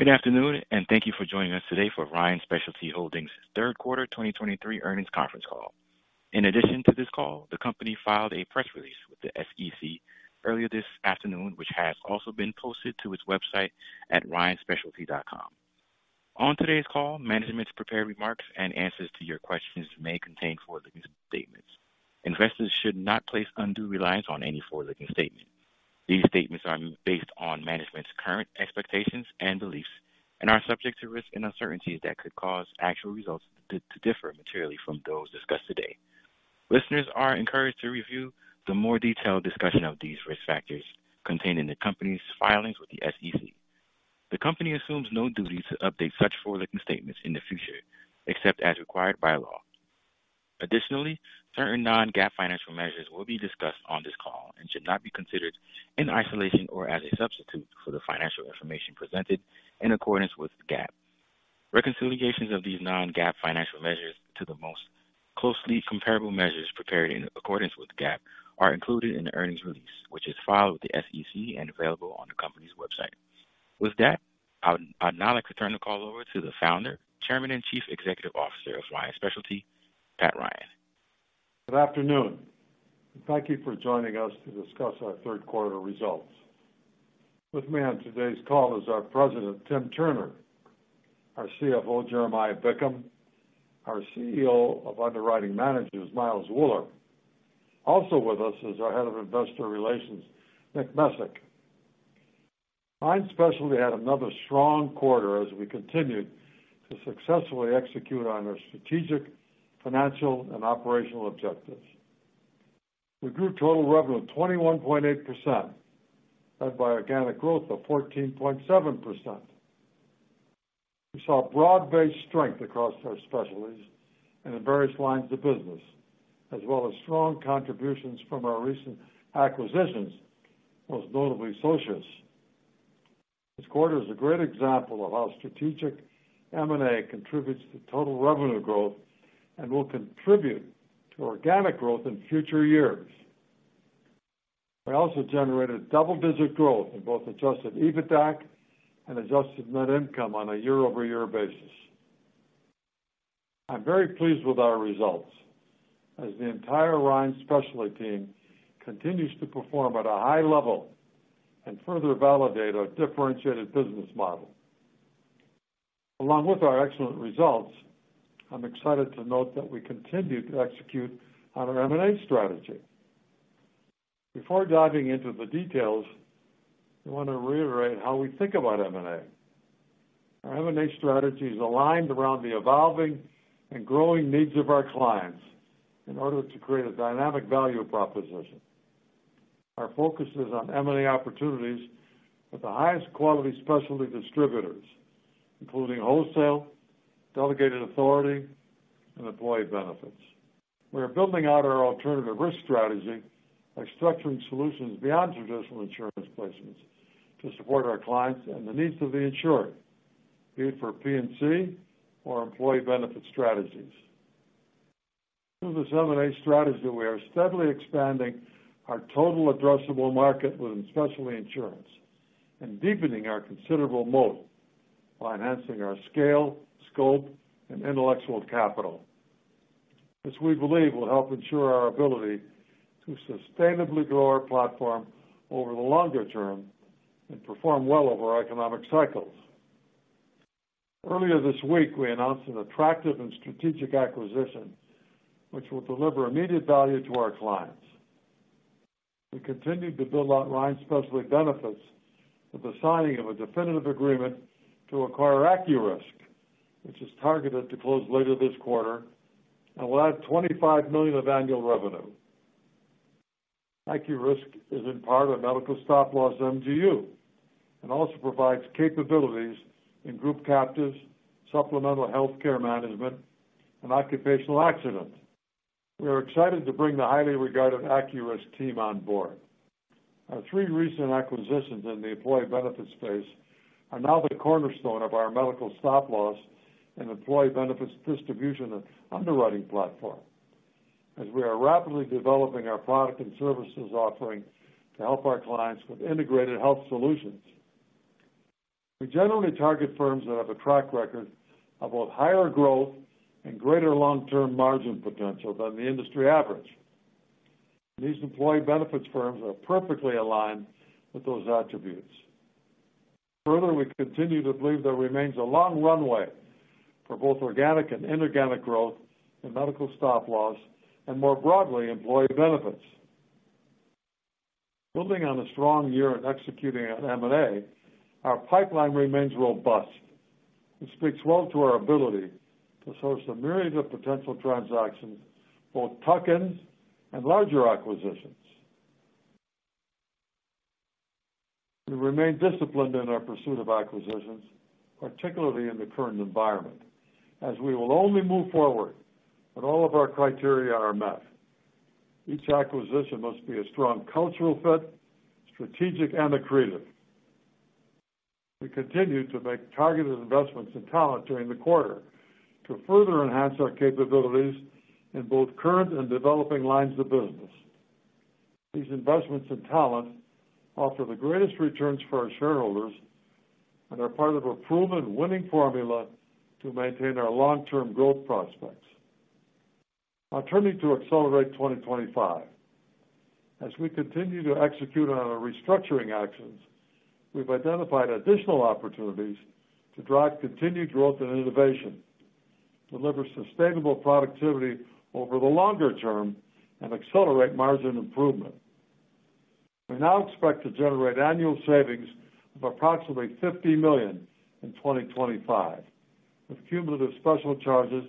Good afternoon, and thank you for joining us today for Ryan Specialty Holdings Third Quarter 2023 Earnings Conference Call. In addition to this call, the company filed a press release with the SEC earlier this afternoon, which has also been posted to its website at ryanspecialty.com. On today's call, management's prepared remarks and answers to your questions may contain forward-looking statements. Investors should not place undue reliance on any forward-looking statement. These statements are based on management's current expectations and beliefs and are subject to risks and uncertainties that could cause actual results to differ materially from those discussed today. Listeners are encouraged to review the more detailed discussion of these risk factors contained in the company's filings with the SEC. The company assumes no duty to update such forward-looking statements in the future, except as required by law. Additionally, certain non-GAAP financial measures will be discussed on this call and should not be considered in isolation or as a substitute for the financial information presented in accordance with GAAP. Reconciliations of these non-GAAP financial measures to the most closely comparable measures prepared in accordance with GAAP are included in the earnings release, which is filed with the SEC and available on the company's website. With that, I'd now like to turn the call over to the Founder, Chairman, and Chief Executive Officer of Ryan Specialty, Pat Ryan. Good afternoon, and thank you for joining us to discuss our third quarter results. With me on today's call is our President, Tim Turner, our CFO, Jeremiah Bickham, our CEO of Underwriting Managers, Miles Wuller. Also with us is our Head of Investor Relations, Nick Mezick. Ryan Specialty had another strong quarter as we continued to successfully execute on our strategic, financial, and operational objectives. We grew total revenue of 21.8%, led by organic growth of 14.7%. We saw broad-based strength across our specialties and in various lines of business, as well as strong contributions from our recent acquisitions, most notably Socius. This quarter is a great example of how strategic M&A contributes to total revenue growth and will contribute to organic growth in future years. We also generated double-digit growth in both adjusted EBITDAC and adjusted net income on a year-over-year basis. I'm very pleased with our results as the entire Ryan Specialty team continues to perform at a high level and further validate our differentiated business model. Along with our excellent results, I'm excited to note that we continue to execute on our M&A strategy. Before diving into the details, I want to reiterate how we think about M&A. Our M&A strategy is aligned around the evolving and growing needs of our clients in order to create a dynamic value proposition. Our focus is on M&A opportunities with the highest quality specialty distributors, including wholesale, delegated authority, and employee benefits. We are building out our alternative risk strategy by structuring solutions beyond traditional insurance placements to support our clients and the needs of the insured, be it for P&C or employee benefit strategies. Through this M&A strategy, we are steadily expanding our total addressable market within specialty insurance and deepening our considerable moat by enhancing our scale, scope, and intellectual capital, which we believe will help ensure our ability to sustainably grow our platform over the longer term and perform well over economic cycles. Earlier this week, we announced an attractive and strategic acquisition, which will deliver immediate value to our clients. We continued to build out Ryan Specialty Benefits with the signing of a definitive agreement to acquire AccuRisk, which is targeted to close later this quarter and will add $25 million of annual revenue. AccuRisk is in part a medical stop loss MGU, and also provides capabilities in group captives, supplemental healthcare management, and occupational accidents. We are excited to bring the highly regarded AccuRisk team on board. Our three recent acquisitions in the employee benefits space are now the cornerstone of our medical stop loss and employee benefits distribution and underwriting platform, as we are rapidly developing our product and services offering to help our clients with integrated health solutions. We generally target firms that have a track record of both higher growth and greater long-term margin potential than the industry average. These employee benefits firms are perfectly aligned with those attributes. Further, we continue to believe there remains a long runway for both organic and inorganic growth in medical stop loss and, more broadly, employee benefits. Building on a strong year in executing on M&A, our pipeline remains robust and speaks well to our ability to source a myriad of potential transactions, both tuck-ins and larger acquisitions. We remain disciplined in our pursuit of acquisitions, particularly in the current environment, as we will only move forward when all of our criteria are met. Each acquisition must be a strong cultural fit, strategic, and accretive. We continued to make targeted investments in talent during the quarter to further enhance our capabilities in both current and developing lines of business.... These investments in talent offer the greatest returns for our shareholders and are part of a proven winning formula to maintain our long-term growth prospects. Now turning to ACCELERATE 2025. As we continue to execute on our restructuring actions, we've identified additional opportunities to drive continued growth and innovation, deliver sustainable productivity over the longer term, and accelerate margin improvement. We now expect to generate annual savings of approximately $50 million in 2025, with cumulative special charges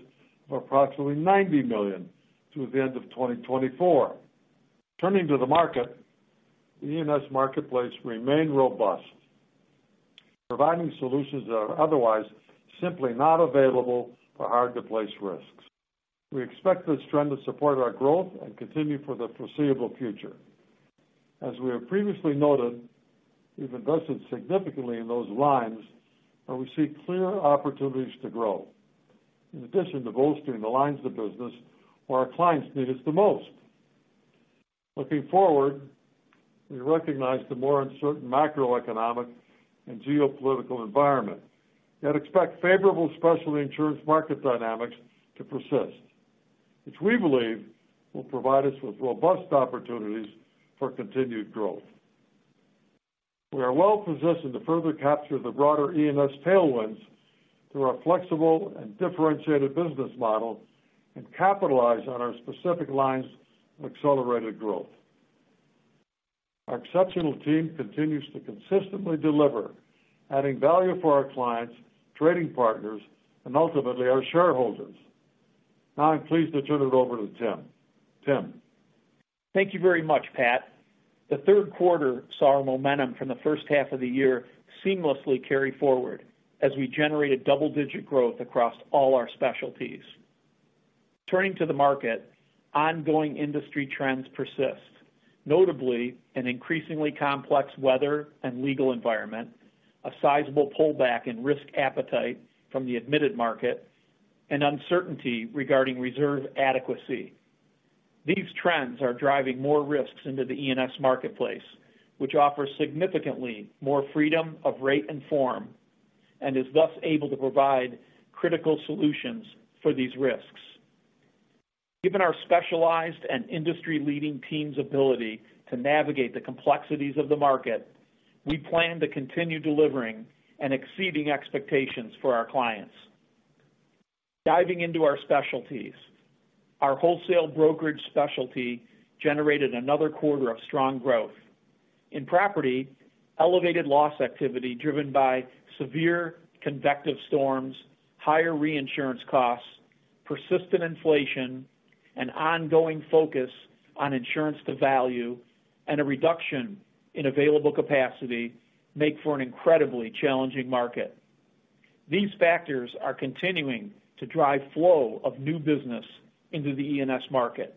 of approximately $90 million through the end of 2024. Turning to the market, the E&S marketplace remained robust, providing solutions that are otherwise simply not available for hard-to-place risks. We expect this trend to support our growth and continue for the foreseeable future. As we have previously noted, we've invested significantly in those lines, and we see clear opportunities to grow, in addition to bolstering the lines of business where our clients need us the most. Looking forward, we recognize the more uncertain macroeconomic and geopolitical environment, yet expect favorable specialty insurance market dynamics to persist, which we believe will provide us with robust opportunities for continued growth. We are well-positioned to further capture the broader E&S tailwinds through our flexible and differentiated business model and capitalize on our specific lines' accelerated growth. Our exceptional team continues to consistently deliver, adding value for our clients, trading partners, and ultimately, our shareholders. Now, I'm pleased to turn it over to Tim. Tim? Thank you very much, Pat. The third quarter saw our momentum from the first half of the year seamlessly carry forward as we generated double-digit growth across all our specialties. Turning to the market, ongoing industry trends persist, notably an increasingly complex weather and legal environment, a sizable pullback in risk appetite from the admitted market, and uncertainty regarding reserve adequacy. These trends are driving more risks into the E&S marketplace, which offers significantly more freedom of rate and form, and is thus able to provide critical solutions for these risks. Given our specialized and industry-leading team's ability to navigate the complexities of the market, we plan to continue delivering and exceeding expectations for our clients. Diving into our specialties, our Wholesale Brokerage specialty generated another quarter of strong growth. In property, elevated loss activity driven by severe convective storms, higher reinsurance costs, persistent inflation, and ongoing focus on insurance to value, and a reduction in available capacity make for an incredibly challenging market. These factors are continuing to drive flow of new business into the E&S market.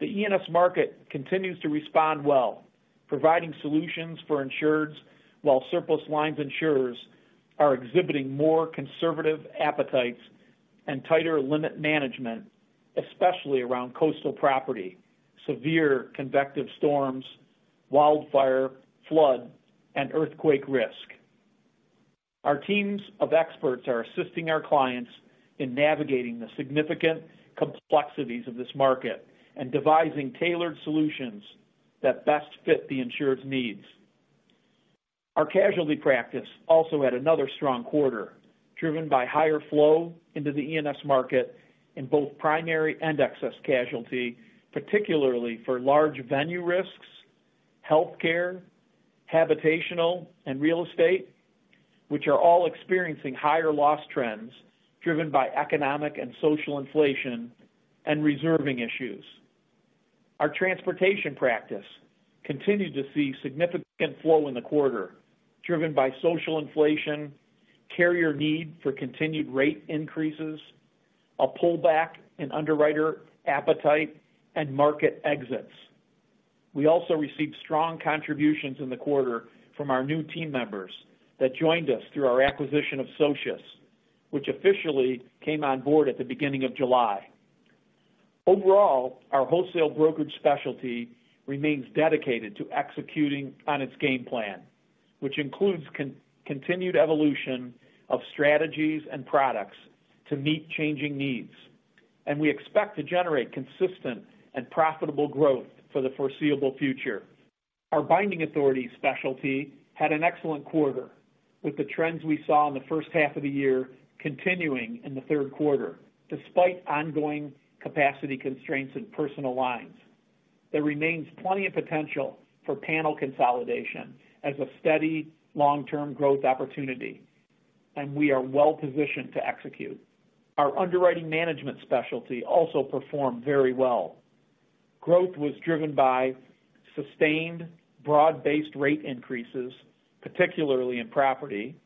The E&S market continues to respond well, providing solutions for insureds, while surplus lines insurers are exhibiting more conservative appetites and tighter limit management, especially around coastal property, severe convective storms, wildfire, flood, and earthquake risk. Our teams of experts are assisting our clients in navigating the significant complexities of this market and devising tailored solutions that best fit the insured's needs. Our casualty practice also had another strong quarter, driven by higher flow into the E&S market in both primary and excess casualty, particularly for large venue risks, healthcare, habitational, and real estate, which are all experiencing higher loss trends driven by economic and social inflation and reserving issues. Our transportation practice continued to see significant flow in the quarter, driven by social inflation, carrier need for continued rate increases, a pullback in underwriter appetite, and market exits. We also received strong contributions in the quarter from our new team members that joined us through our acquisition of Socius, which officially came on board at the beginning of July. Overall, our Wholesale Brokerage specialty remains dedicated to executing on its game plan, which includes continued evolution of strategies and products to meet changing needs, and we expect to generate consistent and profitable growth for the foreseeable future. Our Binding Authority specialty had an excellent quarter, with the trends we saw in the first half of the year continuing in the third quarter, despite ongoing capacity constraints in personal lines. There remains plenty of potential for panel consolidation as a steady, long-term growth opportunity, and we are well-positioned to execute. Our Underwriting Management specialty also performed very well. Growth was driven by sustained, broad-based rate increases, particularly in property,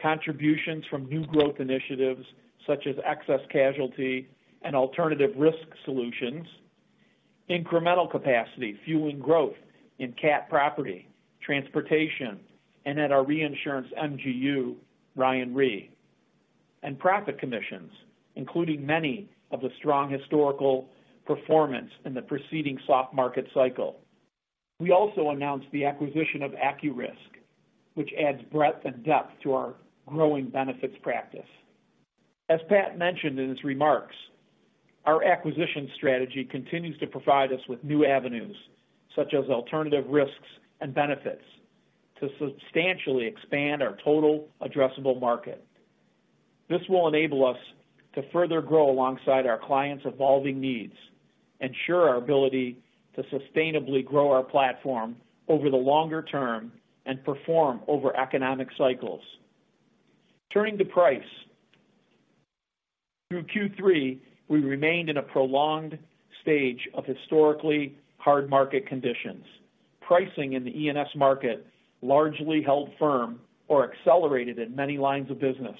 contributions from new growth initiatives, such as excess casualty and alternative risk solutions, incremental capacity, fueling growth in cat property, transportation, and at our reinsurance MGU, Ryan Re, and profit commissions, including many of the strong historical performance in the preceding soft market cycle. We also announced the acquisition of AccuRisk, which adds breadth and depth to our growing benefits practice. As Pat mentioned in his remarks, our acquisition strategy continues to provide us with new avenues, such as alternative risks and benefits, to substantially expand our total addressable market. This will enable us to further grow alongside our clients' evolving needs, ensure our ability to sustainably grow our platform over the longer term, and perform over economic cycles. Turning to pricing. Through Q3, we remained in a prolonged stage of historically hard market conditions. Pricing in the E&S market largely held firm or accelerated in many lines of business,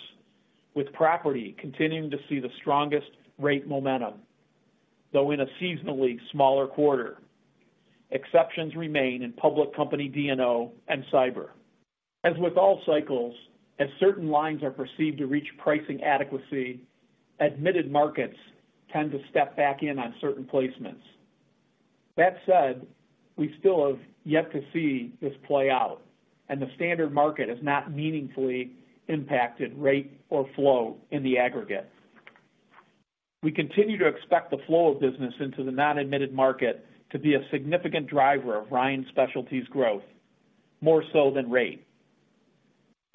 with property continuing to see the strongest rate momentum, though in a seasonally smaller quarter. Exceptions remain in public company D&O and Cyber. As with all cycles, as certain lines are perceived to reach pricing adequacy, admitted markets tend to step back in on certain placements. That said, we still have yet to see this play out, and the standard market has not meaningfully impacted rate or flow in the aggregate. We continue to expect the flow of business into the non-admitted market to be a significant driver of Ryan Specialty's growth, more so than rate.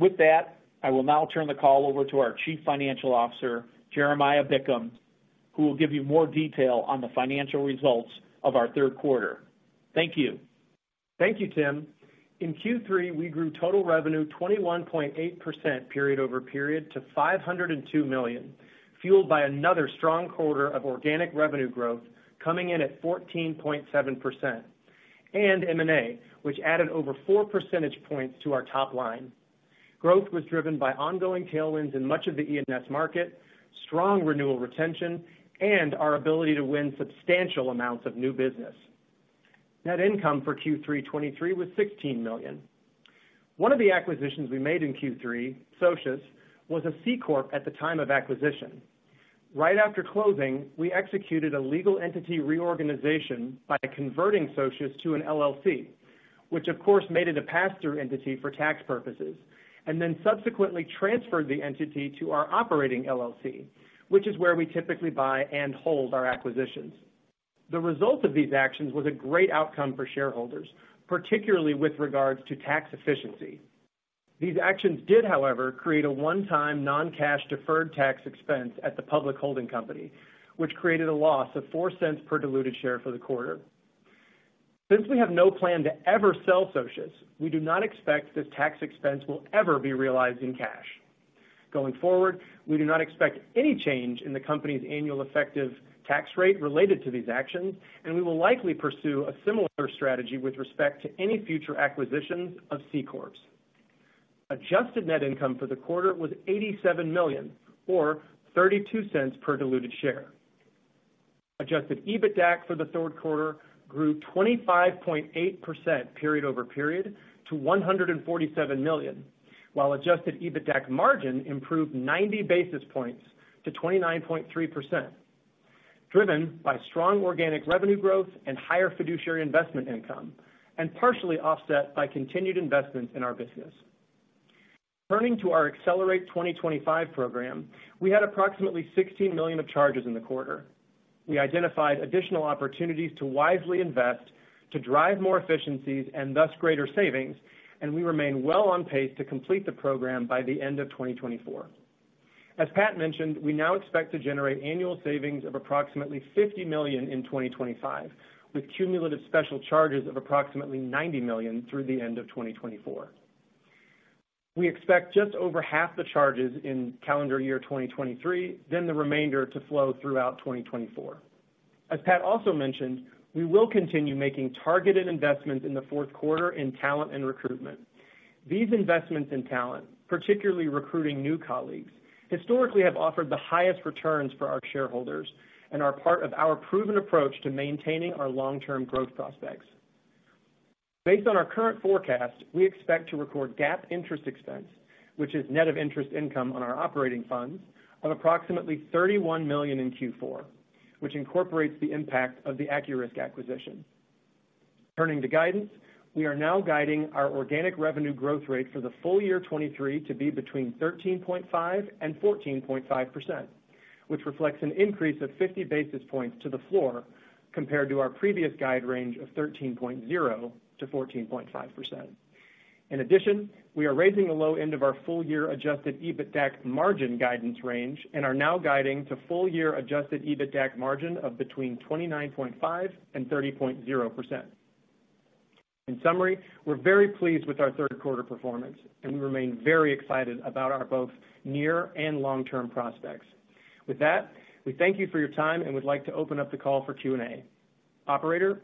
With that, I will now turn the call over to our Chief Financial Officer, Jeremiah Bickham, who will give you more detail on the financial results of our third quarter. Thank you. Thank you, Tim. In Q3, we grew total revenue 21.8% period-over-period to $502 million, fueled by another strong quarter of organic revenue growth coming in at 14.7%, and M&A, which added over 4 percentage points to our top line. Growth was driven by ongoing tailwinds in much of the E&S market, strong renewal retention, and our ability to win substantial amounts of new business. Net income for Q3 2023 was $16 million. One of the acquisitions we made in Q3, Socius, was a C Corp at the time of acquisition. Right after closing, we executed a legal entity reorganization by converting Socius to an LLC, which of course, made it a pass-through entity for tax purposes, and then subsequently transferred the entity to our operating LLC, which is where we typically buy and hold our acquisitions. The result of these actions was a great outcome for shareholders, particularly with regards to tax efficiency. These actions did, however, create a one-time non-cash deferred tax expense at the public holding company, which created a loss of $0.04 per diluted share for the quarter. Since we have no plan to ever sell Socius, we do not expect this tax expense will ever be realized in cash. Going forward, we do not expect any change in the company's annual effective tax rate related to these actions, and we will likely pursue a similar strategy with respect to any future acquisitions of C corps. Adjusted net income for the quarter was $87 million or $0.32 per diluted share. Adjusted EBITDAC for the third quarter grew 25.8% period-over-period to $147 million, while adjusted EBITDAC margin improved 90 basis points to 29.3%, driven by strong organic revenue growth and higher fiduciary investment income, and partially offset by continued investments in our business. Turning to our ACCELERATE 2025 program, we had approximately $16 million of charges in the quarter. We identified additional opportunities to wisely invest, to drive more efficiencies and thus greater savings, and we remain well on pace to complete the program by the end of 2024. As Pat mentioned, we now expect to generate annual savings of approximately $50 million in 2025, with cumulative special charges of approximately $90 million through the end of 2024. We expect just over half the charges in calendar year 2023, then the remainder to flow throughout 2024. As Pat also mentioned, we will continue making targeted investments in the fourth quarter in talent and recruitment. These investments in talent, particularly recruiting new colleagues, historically have offered the highest returns for our shareholders and are part of our proven approach to maintaining our long-term growth prospects. Based on our current forecast, we expect to record GAAP interest expense, which is net of interest income on our operating funds, of approximately $31 million in Q4, which incorporates the impact of the AccuRisk acquisition. Turning to guidance, we are now guiding our organic revenue growth rate for the full year 2023 to be between 13.5% and 14.5%, which reflects an increase of 50 basis points to the floor compared to our previous guide range of 13.0%-14.5%. In addition, we are raising the low end of our full-year adjusted EBITDAC margin guidance range and are now guiding to full-year adjusted EBITDAC margin of between 29.5% and 30.0%. In summary, we're very pleased with our third quarter performance, and we remain very excited about our both near and long-term prospects. With that, we thank you for your time and would like to open up the call for Q&A. Operator?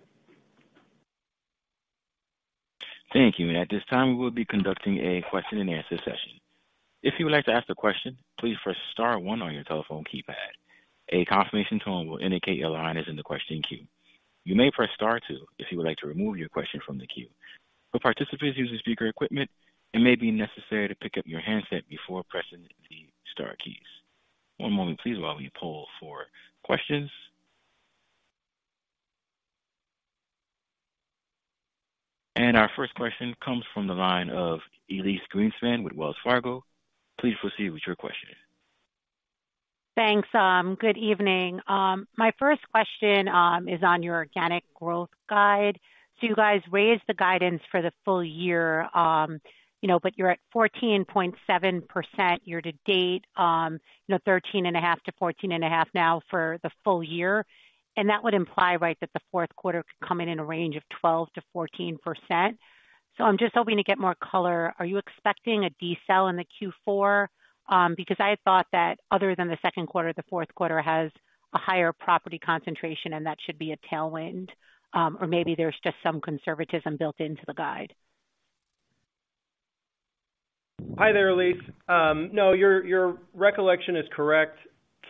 Thank you. At this time, we'll be conducting a question-and-answer session. If you would like to ask a question, please press star one on your telephone keypad. A confirmation tone will indicate your line is in the question queue.... You may press star two if you would like to remove your question from the queue. For participants using speaker equipment, it may be necessary to pick up your handset before pressing the star keys. One moment please, while we poll for questions. Our first question comes from the line of Elyse Greenspan with Wells Fargo. Please proceed with your question. Thanks. Good evening. My first question is on your organic growth guide. So you guys raised the guidance for the full year, you know, but you're at 14.7% year-to-date, you know, 13.5%-14.5% now for the full year. And that would imply, right, that the fourth quarter could come in in a range of 12%-14%. So I'm just hoping to get more color. Are you expecting a decel in the Q4? Because I had thought that other than the second quarter, the fourth quarter has a higher property concentration, and that should be a tailwind. Or maybe there's just some conservatism built into the guide. Hi there, Elyse. No, your recollection is correct.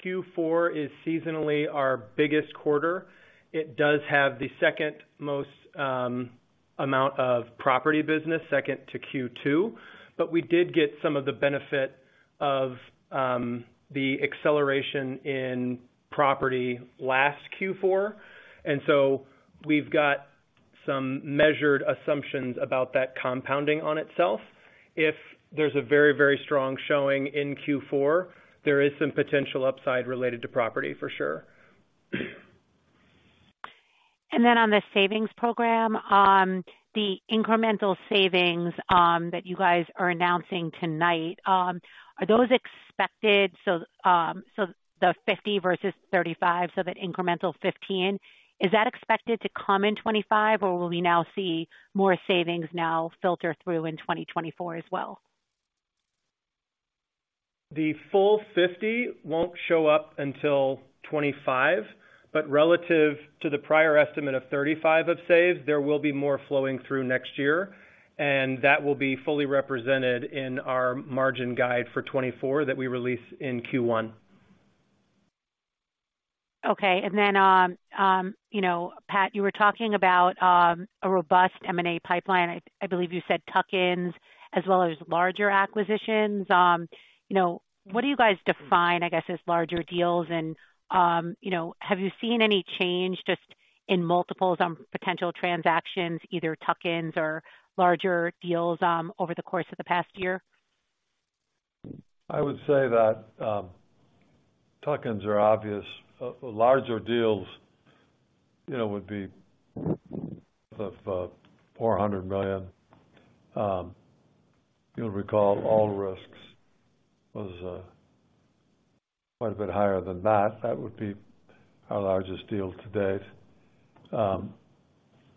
Q4 is seasonally our biggest quarter. It does have the second most amount of property business, second to Q2. But we did get some of the benefit of the acceleration in property last Q4, and so we've got some measured assumptions about that compounding on itself. If there's a very, very strong showing in Q4, there is some potential upside related to property for sure. Then on the savings program, the incremental savings that you guys are announcing tonight, are those expected—so, so the $50 million versus $35 million, so that incremental $15 million, is that expected to come in 2025, or will we now see more savings filter through in 2024 as well? The full $50 million won't show up until 2025, but relative to the prior estimate of $35 million of savings, there will be more flowing through next year, and that will be fully represented in our margin guide for 2024 that we release in Q1. Okay. And then, you know, Pat, you were talking about a robust M&A pipeline. I believe you said tuck-ins as well as larger acquisitions. You know, what do you guys define, I guess, as larger deals? And, you know, have you seen any change just in multiples on potential transactions, either tuck-ins or larger deals, over the course of the past year? I would say that tuck-ins are obvious. Larger deals, you know, would be of $400 million. You'll recall All Risks was quite a bit higher than that. That would be our largest deal to date.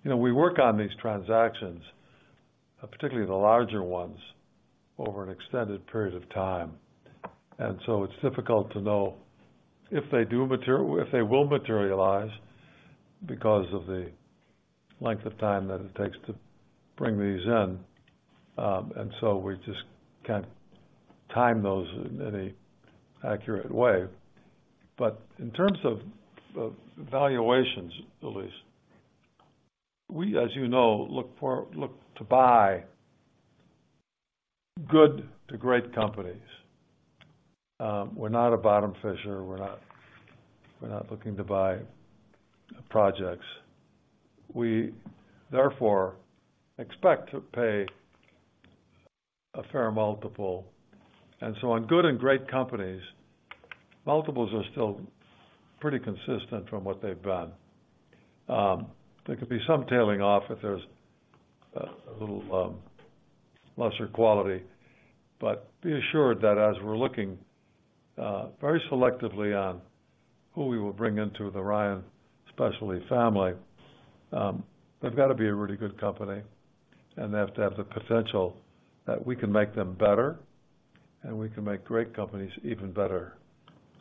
You know, we work on these transactions, particularly the larger ones, over an extended period of time, and so it's difficult to know if they will materialize because of the length of time that it takes to bring these in. And so we just can't time those in any accurate way. But in terms of valuations, Elyse, we, as you know, look to buy good to great companies. We're not a bottom fisher. We're not, we're not looking to buy projects. We therefore expect to pay a fair multiple, and so on good and great companies, multiples are still pretty consistent from what they've been. There could be some tailing off if there's a little lesser quality. But be assured that as we're looking very selectively on who we will bring into the Ryan Specialty family, they've got to be a really good company, and they have to have the potential that we can make them better, and we can make great companies even better.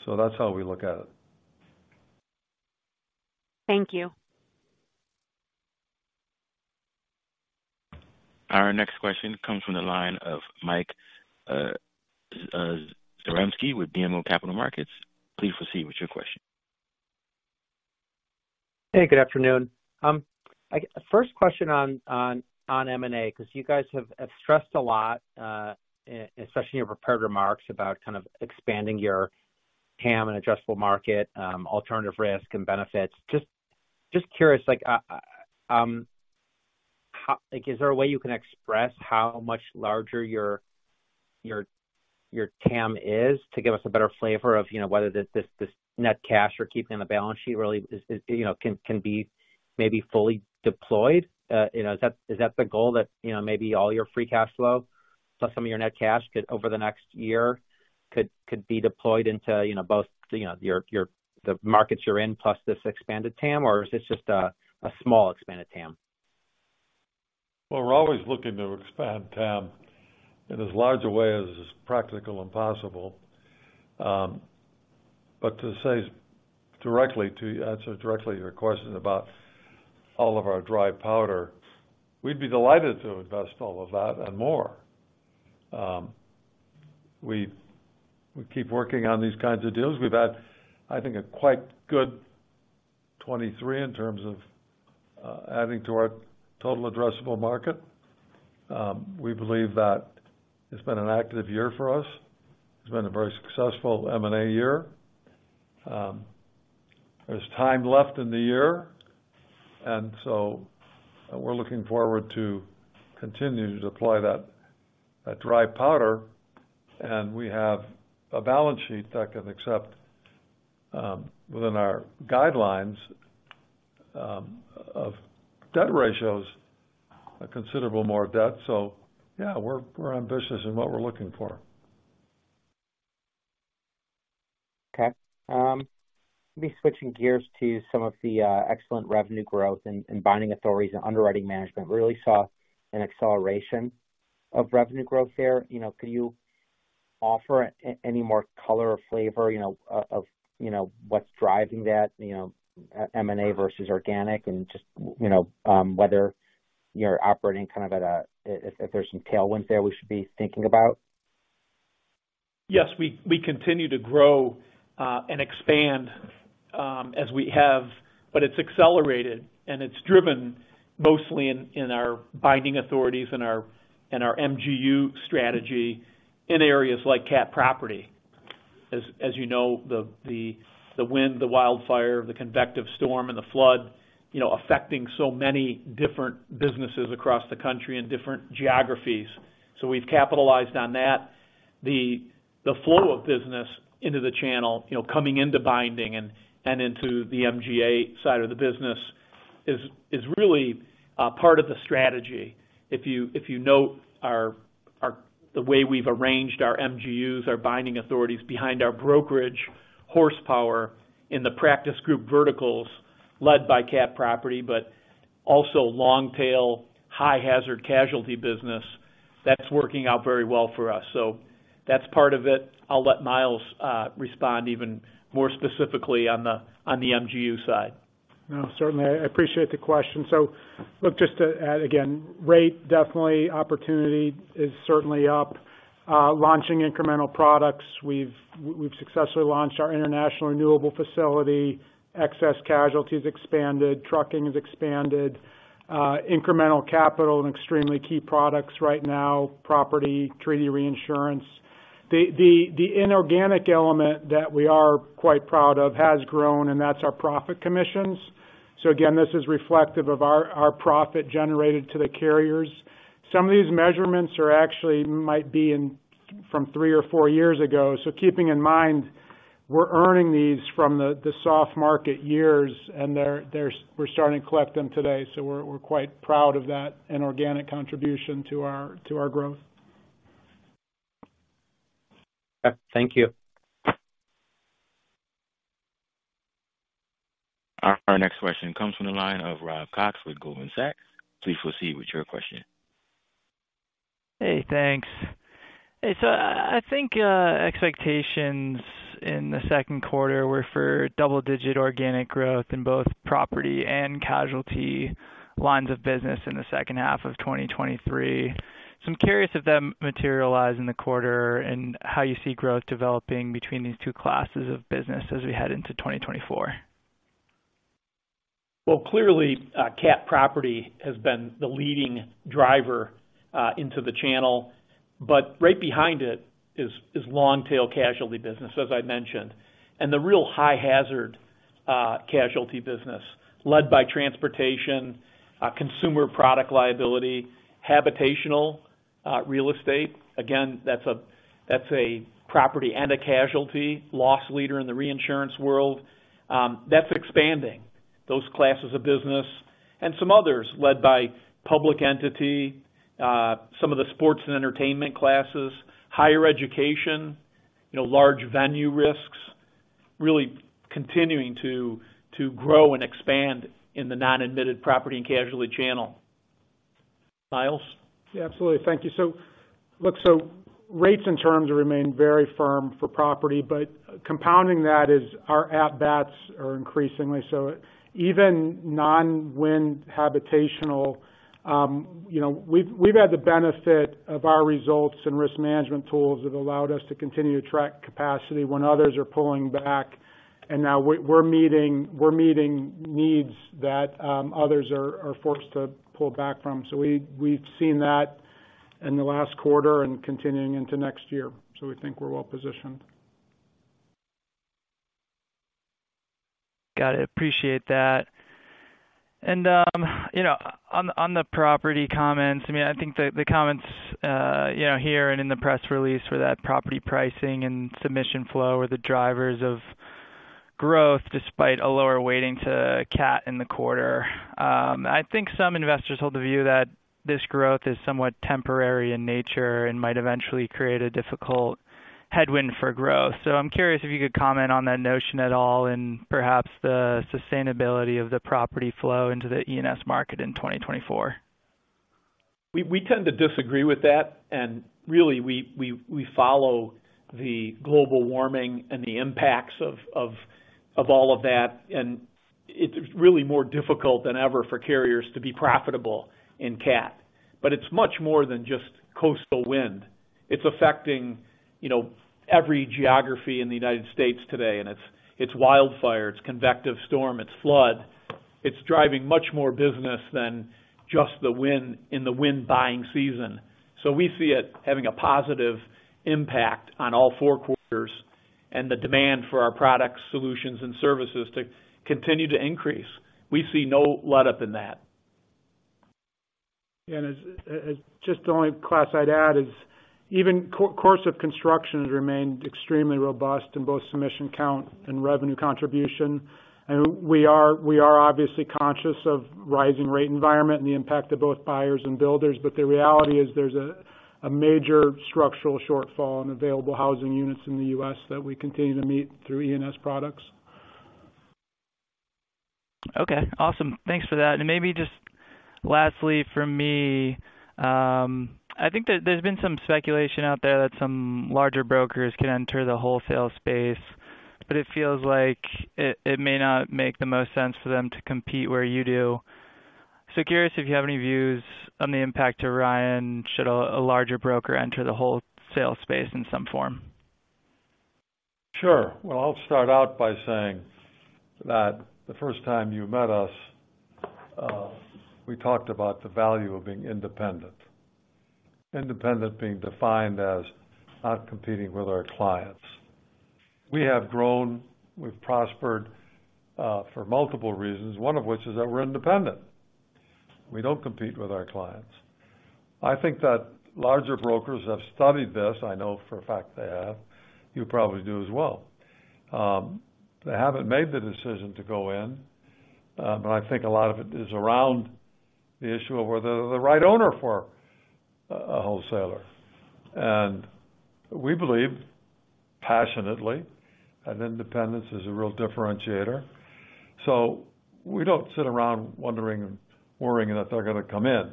So that's how we look at it. Thank you. Our next question comes from the line of Mike Zaremski with BMO Capital Markets. Please proceed with your question. Hey, good afternoon. First question on M&A, because you guys have stressed a lot, especially in your prepared remarks, about kind of expanding your TAM and addressable market, alternative risk and benefits. Just curious, like, how—like, is there a way you can express how much larger your TAM is to give us a better flavor of, you know, whether this net cash you're keeping on the balance sheet really is, you know, can be maybe fully deployed? You know, is that the goal that, you know, maybe all your free cash flow, plus some of your net cash could, over the next year, be deployed into, you know, both, you know, your, the markets you're in, plus this expanded TAM, or is this just a small expanded TAM? Well, we're always looking to expand TAM in as large a way as is practical and possible. But to say directly to you, answer directly to your question about all of our dry powder, we'd be delighted to invest all of that and more. ... we keep working on these kinds of deals. We've had, I think, a quite good 2023 in terms of adding to our total addressable market. We believe that it's been an active year for us. It's been a very successful M&A year. There's time left in the year, and so we're looking forward to continuing to deploy that dry powder, and we have a balance sheet that can accept, within our guidelines of debt ratios, a considerable more debt. So yeah, we're ambitious in what we're looking for. Okay. Let me switching gears to some of the excellent revenue growth in binding authorities and Underwriting Management. We really saw an acceleration of revenue growth there. You know, could you offer any more color or flavor, you know, of what's driving that, you know, M&A versus organic and just, you know, whether you're operating kind of at a, if there's some tailwinds there we should be thinking about? Yes, we continue to grow and expand as we have, but it's accelerated, and it's driven mostly in our binding authorities and our MGU strategy in areas like cat property. As you know, the wind, the wildfire, the convective storm, and the flood, you know, affecting so many different businesses across the country in different geographies. So we've capitalized on that. The flow of business into the channel, you know, coming into binding and into the MGA side of the business is really part of the strategy. If you note the way we've arranged our MGUs, our binding authorities behind our brokerage horsepower in the practice group verticals led by cat property, but also long tail, high hazard casualty business, that's working out very well for us. So that's part of it. I'll let Miles respond even more specifically on the MGU side. No, certainly. I appreciate the question. So look, just to add, again, rate, definitely opportunity is certainly up. Launching incremental products, we've successfully launched our international renewable facility, excess casualty has expanded, trucking has expanded, incremental capital and extremely key products right now, property, treaty reinsurance. The inorganic element that we are quite proud of has grown, and that's our profit commissions. So again, this is reflective of our profit generated to the carriers. Some of these measurements are actually from three or four years ago. So keeping in mind, we're earning these from the soft market years, and we're starting to collect them today. So we're quite proud of that inorganic contribution to our growth. Okay, thank you. Our next question comes from the line of Rob Cox with Goldman Sachs. Please proceed with your question. Hey, thanks. Hey, so I think expectations in the second quarter were for double-digit organic growth in both property and casualty lines of business in the second half of 2023. So I'm curious if that materialized in the quarter and how you see growth developing between these two classes of business as we head into 2024. Well, clearly, cat property has been the leading driver into the channel, but right behind it is long tail casualty business, as I mentioned, and the real high hazard casualty business led by transportation, consumer product liability, habitational, real estate. Again, that's a property and a casualty loss leader in the reinsurance world. That's expanding those classes of business and some others led by public entity, some of the sports and entertainment classes, higher education, you know, large venue risks, really continuing to grow and expand in the non-admitted property and casualty channel. Miles? Yeah, absolutely. Thank you. So look, so rates and terms remain very firm for property, but compounding that is our at-bats are increasingly so. Even non-wind habitational, you know, we've had the benefit of our results and risk management tools have allowed us to continue to track capacity when others are pulling back, and now we're meeting, we're meeting needs that others are forced to pull back from. So we've seen that in the last quarter and continuing into next year. So we think we're well positioned. Got it. Appreciate that. And, you know, on the property comments, I mean, I think the comments, you know, here and in the press release were that property pricing and submission flow are the drivers of growth despite a lower weighting to cat in the quarter. I think some investors hold the view that this growth is somewhat temporary in nature and might eventually create a difficult headwind for growth. So I'm curious if you could comment on that notion at all, and perhaps the sustainability of the property flow into the E&S market in 2024. We tend to disagree with that, and really, we follow the global warming and the impacts of all of that, and it's really more difficult than ever for carriers to be profitable in cat. But it's much more than just coastal wind. It's affecting, you know, every geography in the United States today, and it's wildfire, it's convective storm, it's flood. It's driving much more business than just the wind in the wind buying season. So we see it having a positive impact on all four quarters and the demand for our products, solutions, and services to continue to increase. We see no letup in that. Just the only class I'd add is, even course of construction has remained extremely robust in both submission count and revenue contribution. We are obviously conscious of rising rate environment and the impact of both buyers and builders, but the reality is there's a major structural shortfall in available housing units in the U.S. that we continue to meet through E&S products. Okay, awesome! Thanks for that. And maybe just lastly, from me, I think that there's been some speculation out there that some larger brokers can enter the wholesale space, but it feels like it, it may not make the most sense for them to compete where you do. So curious if you have any views on the impact to Ryan, should a, a larger broker enter the wholesale space in some form? Sure. Well, I'll start out by saying that the first time you met us, we talked about the value of being independent. Independent being defined as not competing with our clients. We have grown, we've prospered, for multiple reasons, one of which is that we're independent. We don't compete with our clients. I think that larger brokers have studied this. I know for a fact they have. You probably do as well. They haven't made the decision to go in, but I think a lot of it is around the issue of whether they're the right owner for a wholesaler. And we believe passionately that independence is a real differentiator. So we don't sit around wondering and worrying that they're going to come in.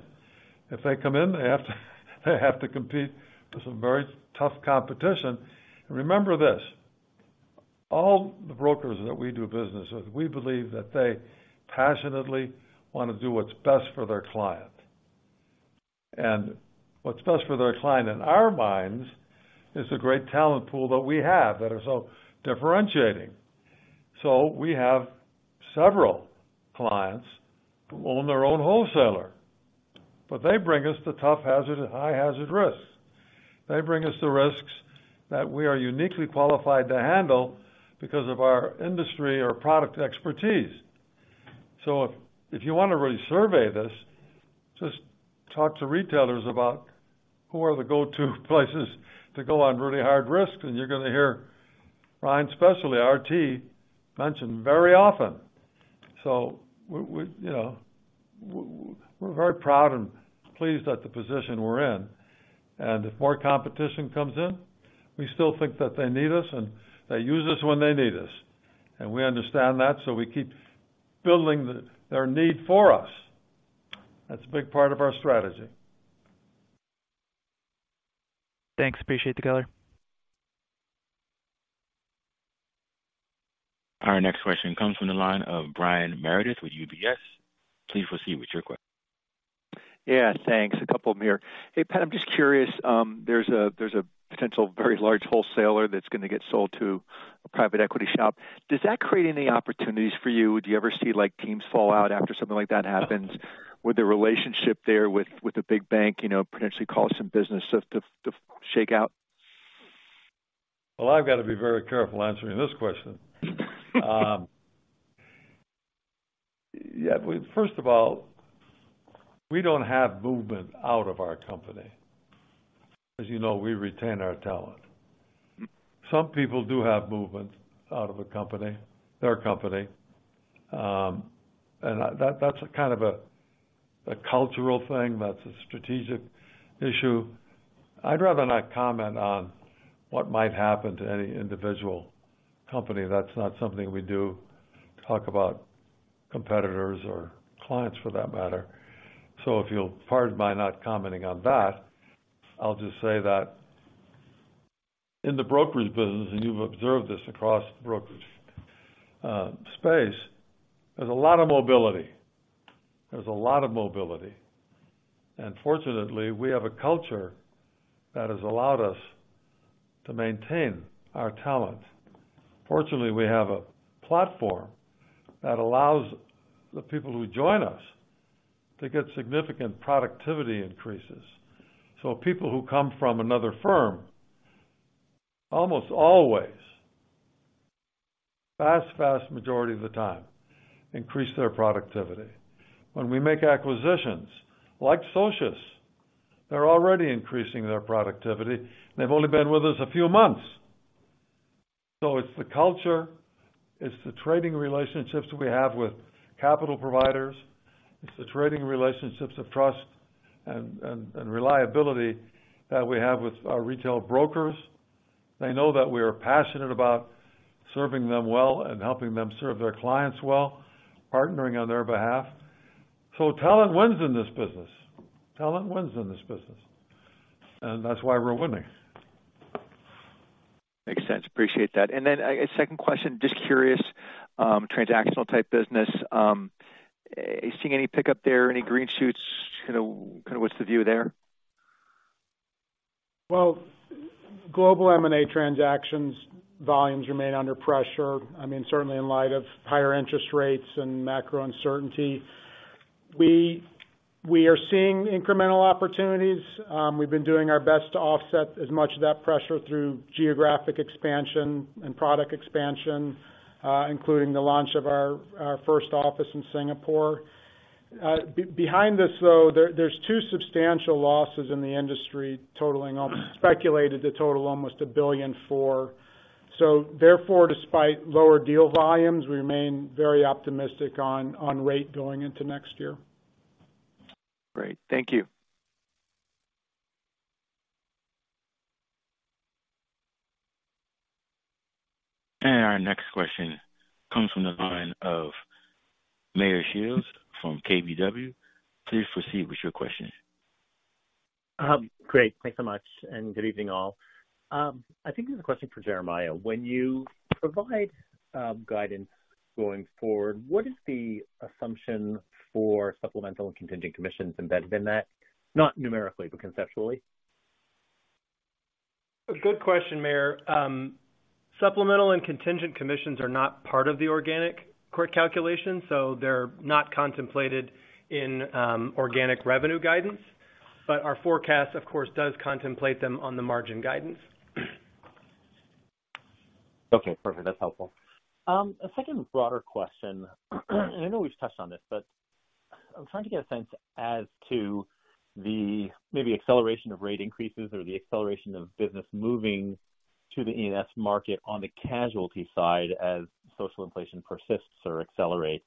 If they come in, they have to compete with some very tough competition. And remember this: all the brokers that we do business with, we believe that they passionately want to do what's best for their client. And what's best for their client, in our minds, is the great talent pool that we have that is so differentiating. So we have several clients who own their own wholesaler, but they bring us the tough hazard and high hazard risks. They bring us the risks that we are uniquely qualified to handle because of our industry or product expertise. So if you want to really survey this, just talk to retailers about who are the go-to places to go on really hard risks, and you're going to hear Ryan, especially RT, mentioned very often. So we, you know, we're very proud and pleased at the position we're in. If more competition comes in, we still think that they need us, and they use us when they need us. We understand that, so we keep building their need for us. That's a big part of our strategy. Thanks. Appreciate the color. Our next question comes from the line of Brian Meredith with UBS. Please proceed with your question. Yeah, thanks. A couple in here. Hey, Pat, I'm just curious, there's a potential very large wholesaler that's going to get sold to a private equity shop. Does that create any opportunities for you? Do you ever see, like, teams fall out after something like that happens? Would the relationship there with the big bank, you know, potentially call some business to shake out? Well, I've got to be very careful answering this question. Yeah, well, first of all, we don't have movement out of our company. As you know, we retain our talent. Some people do have movement out of the company, their company, and that, that's a kind of a cultural thing, that's a strategic issue. I'd rather not comment on what might happen to any individual company. That's not something we do, talk about competitors or clients for that matter. So if you'll pardon my not commenting on that, I'll just say that in the brokerage business, and you've observed this across the brokerage space, there's a lot of mobility. There's a lot of mobility, and fortunately, we have a culture that has allowed us to maintain our talent. Fortunately, we have a platform that allows the people who join us to get significant productivity increases. So people who come from another firm, almost always, vast, vast majority of the time, increase their productivity. When we make acquisitions, like Socius, they're already increasing their productivity, and they've only been with us a few months. So it's the culture, it's the trading relationships we have with capital providers, it's the trading relationships of trust and, and, and reliability that we have with our retail brokers. They know that we are passionate about serving them well and helping them serve their clients well, partnering on their behalf.... So talent wins in this business. Talent wins in this business, and that's why we're winning. Makes sense. Appreciate that. And then a second question. Just curious, transactional type business, are you seeing any pickup there, any green shoots? Kind of, what's the view there? Well, global M&A transactions volumes remain under pressure. I mean, certainly in light of higher interest rates and macro uncertainty. We are seeing incremental opportunities. We've been doing our best to offset as much of that pressure through geographic expansion and product expansion, including the launch of our first office in Singapore. Behind this, though, there's two substantial losses in the industry, totaling almost, speculated to total almost $1 billion for. So therefore, despite lower deal volumes, we remain very optimistic on rate going into next year. Great. Thank you. Our next question comes from the line of Meyer Shields from KBW. Please proceed with your question. Great. Thanks so much, and good evening, all. I think this is a question for Jeremiah. When you provide, guidance going forward, what is the assumption for supplemental and contingent commissions embedded in that? Not numerically, but conceptually. A good question, Mayer. Supplemental and contingent commissions are not part of the organic core calculation, so they're not contemplated in, organic revenue guidance. But our forecast, of course, does contemplate them on the margin guidance. Okay, perfect. That's helpful. A second broader question, and I know we've touched on this, but I'm trying to get a sense as to the maybe acceleration of rate increases or the acceleration of business moving to the E&S market on the casualty side as social inflation persists or accelerates.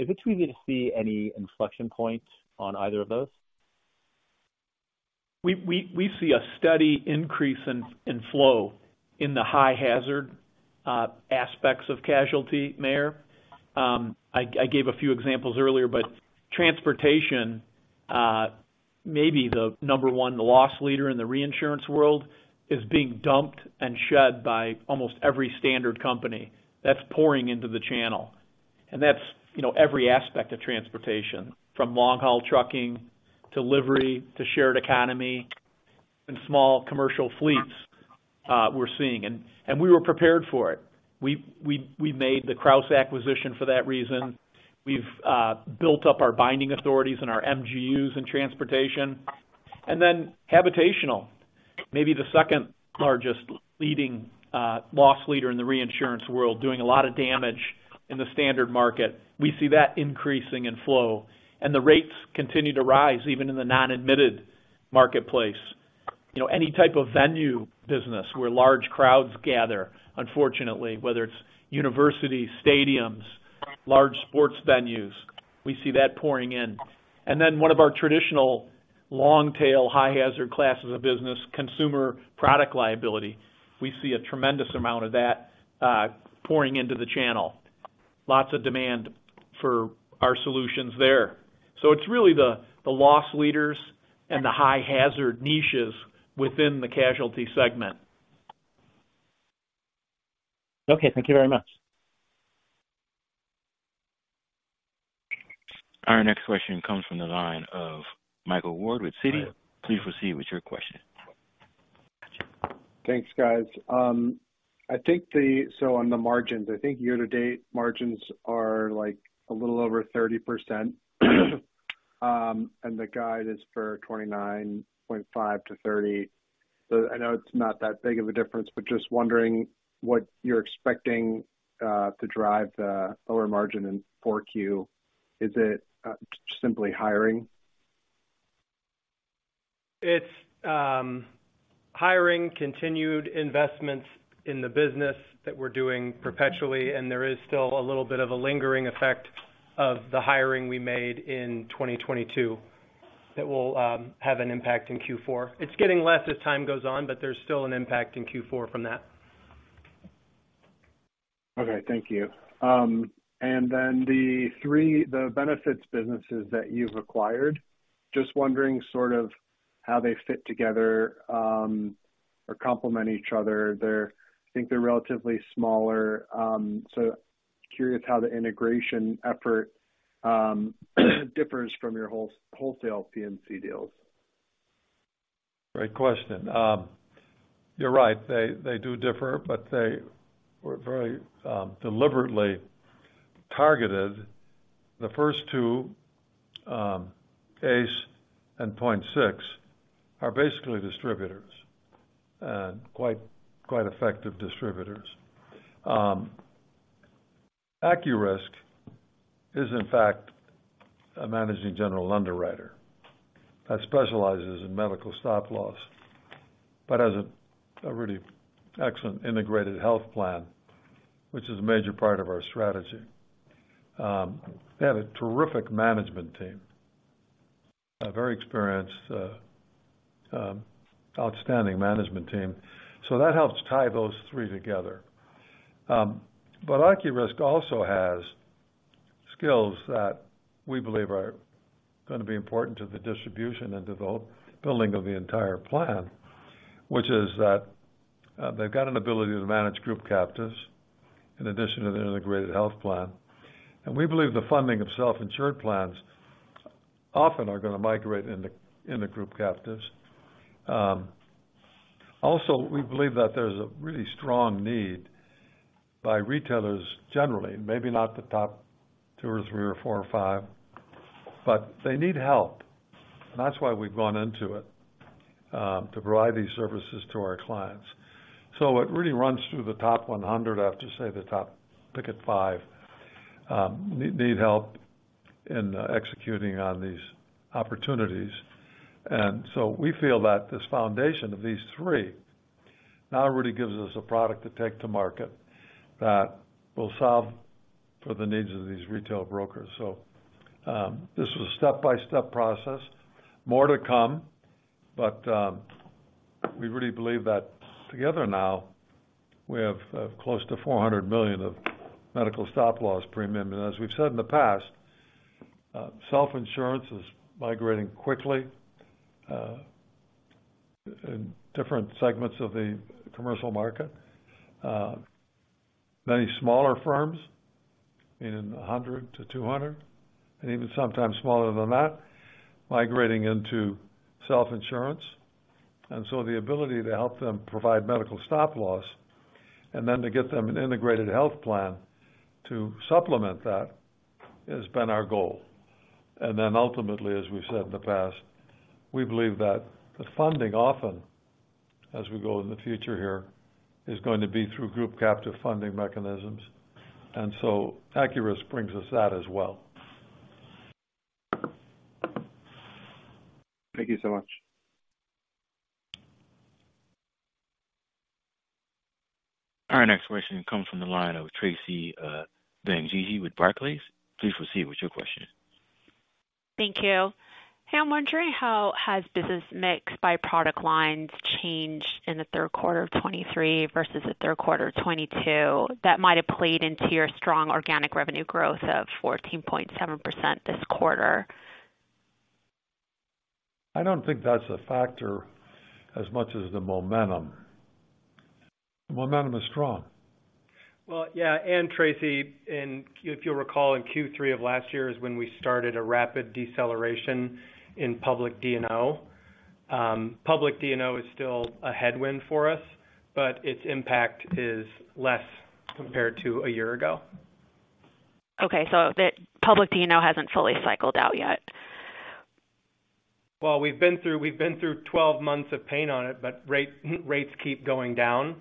Is it too early to see any inflection points on either of those? We see a steady increase in flow in the high hazard aspects of casualty, Mayer. I gave a few examples earlier, but transportation may be the number one loss leader in the reinsurance world, is being dumped and shed by almost every standard company. That's pouring into the channel. And that's, you know, every aspect of transportation, from long-haul trucking to delivery, to shared economy and small commercial fleets, we're seeing. And we were prepared for it. We made the Crouse acquisition for that reason. We've built up our binding authorities and our MGUs in transportation. And then habitational, maybe the second largest leading loss leader in the reinsurance world, doing a lot of damage in the standard market. We see that increasing in flow, and the rates continue to rise, even in the non-admitted marketplace. You know, any type of venue business where large crowds gather, unfortunately, whether it's universities, stadiums, large sports venues, we see that pouring in. And then one of our traditional long-tail, high-hazard classes of business, consumer product liability, we see a tremendous amount of that, pouring into the channel. Lots of demand for our solutions there. So it's really the loss leaders and the high-hazard niches within the casualty segment. Okay, thank you very much. Our next question comes from the line of Michael Ward with Citi. Please proceed with your question. Thanks, guys. I think the margins year-to-date are like a little over 30%. The guide is for 29.5%-30%. So I know it's not that big of a difference, but just wondering what you're expecting to drive the lower margin in 4Q. Is it simply hiring? It's hiring, continued investments in the business that we're doing perpetually, and there is still a little bit of a lingering effect of the hiring we made in 2022 that will have an impact in Q4. It's getting less as time goes on, but there's still an impact in Q4 from that. Okay, thank you. And then the three, the benefits businesses that you've acquired, just wondering sort of how they fit together, or complement each other. They're—I think they're relatively smaller, so curious how the integration effort differs from your wholesale P&C deals. Great question. You're right, they, they do differ, but they were very, deliberately targeted. The first two, ACE and Point6, are basically distributors, and quite, quite effective distributors. AccuRisk is in fact a managing general underwriter that specializes in medical stop-loss, but has a really excellent integrated health plan, which is a major part of our strategy. They have a terrific management team.... A very experienced, outstanding management team. So that helps tie those three together. But AccuRisk also has skills that we believe are going to be important to the distribution and building of the entire plan, which is that, they've got an ability to manage group captives in addition to the integrated health plan. And we believe the funding of self-insured plans often are going to migrate into, into group captives. Also, we believe that there's a really strong need by retailers generally, maybe not the top two or three or four or five, but they need help, and that's why we've gone into it, to provide these services to our clients. So it really runs through the top 100. I have to say the top five need help in executing on these opportunities. And so we feel that this foundation of these three now really gives us a product to take to market that will solve for the needs of these retail brokers. So, this was a step-by-step process. More to come, but, we really believe that together now, we have close to $400 million of medical stop loss premium. As we've said in the past, self-insurance is migrating quickly, in different segments of the commercial market. Many smaller firms in 100-200, and even sometimes smaller than that, migrating into self-insurance. And so the ability to help them provide medical stop loss and then to get them an integrated health plan to supplement that, has been our goal. And then ultimately, as we've said in the past, we believe that the funding, often, as we go in the future here, is going to be through group captive funding mechanisms, and so AccuRisk brings us that as well. Thank you so much. Our next question comes from the line of Tracy Benguigui with Barclays. Please proceed with your question. Thank you. Hey, I'm wondering, how has business mix by product lines changed in the third quarter of 2023 versus the third quarter of 2022, that might have played into your strong organic revenue growth of 14.7% this quarter? I don't think that's a factor as much as the momentum. The momentum is strong. Well, yeah, and Tracy, and if you'll recall, in Q3 of last year is when we started a rapid deceleration in public D&O. Public D&O is still a headwind for us, but its impact is less compared to a year ago. Okay, so the public D&O hasn't fully cycled out yet? Well, we've been through, we've been through 12 months of pain on it, but rates keep going down.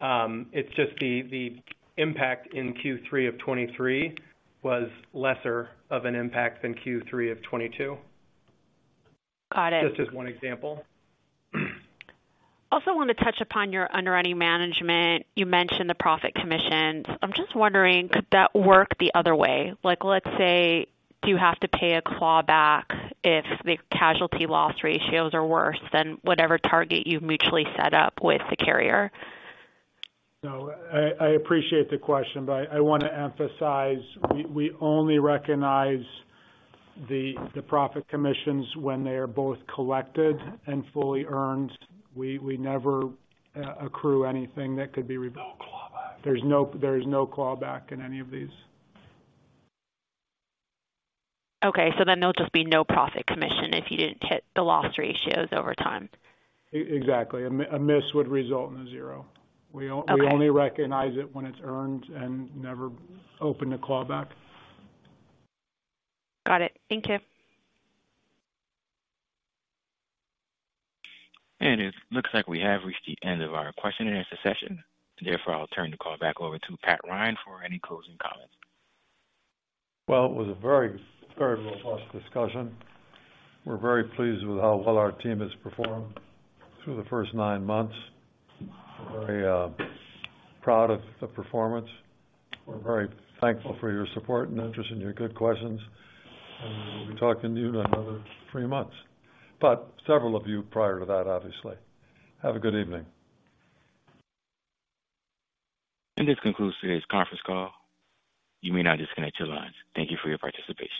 It's just the impact in Q3 of 2023 was lesser of an impact than Q3 of 2022. Got it. Just as one example. Also, want to touch upon your Underwriting Management. You mentioned the profit commissions. I'm just wondering, could that work the other way? Like, let's say, do you have to pay a clawback if the casualty loss ratios are worse than whatever target you've mutually set up with the carrier? No, I appreciate the question, but I want to emphasize, we only recognize the profit commissions when they are both collected and fully earned. We never accrue anything that could be subject to clawback. There's no clawback in any of these. Okay, so then there'll just be no profit commission if you didn't hit the loss ratios over time. Exactly. A miss would result in a zero. Okay. We only recognize it when it's earned and never open to clawback. Got it. Thank you. It looks like we have reached the end of our question-and-answer session. Therefore, I'll turn the call back over to Pat Ryan for any closing comments. Well, it was a very, very robust discussion. We're very pleased with how well our team has performed through the first nine months. We're very proud of the performance. We're very thankful for your support and interest and your good questions, and we'll be talking to you in another three months, but several of you prior to that, obviously. Have a good evening. This concludes today's conference call. You may now disconnect your lines. Thank you for your participation.